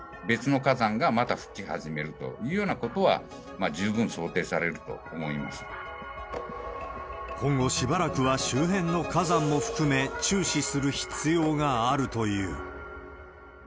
別の火山がまた噴き始めるというようなことは、十分想定されると今後、しばらくは周辺の火山も含め、注視する必要があるという。